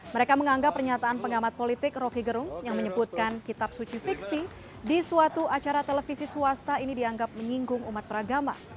mereka menganggap pernyataan pengamat politik roky gerung yang menyebutkan kitab suci fiksi di suatu acara televisi swasta ini dianggap menyinggung umat beragama